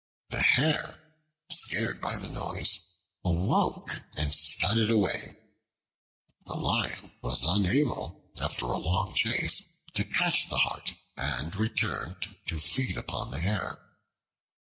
The Hare, scared by the noise, awoke and scudded away. The Lion was unable after a long chase to catch the Hart, and returned to feed upon the Hare.